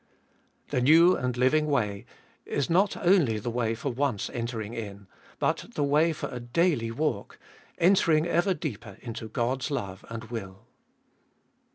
2. The new and living way is not only the way for once entering in, but the way for a daily walk, entering ever deeper into Qod's love and will.